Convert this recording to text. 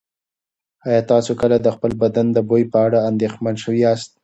ایا تاسو کله د خپل بدن د بوی په اړه اندېښمن شوي یاست؟